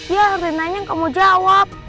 ya renanya yang kamu jawab